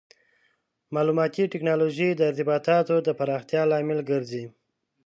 مالوماتي ټکنالوژي د ارتباطاتو د پراختیا لامل ګرځي.